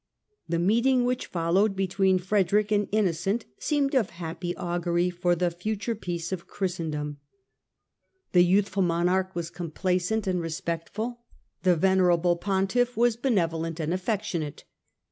The meeting which followed between Frederick and Innocent seemed of happy augury for the future peace of Christendom. 39 40 STUPOR MUNDI The youthful monarch was complaisant and respectful, the venerable Pontiff was benevolent and affectionate.